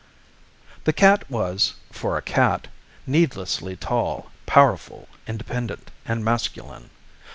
This cat was, for a cat, needlessly tall, powerful, independent, and masculine.